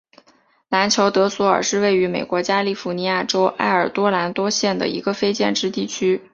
兰乔德索尔是位于美国加利福尼亚州埃尔多拉多县的一个非建制地区。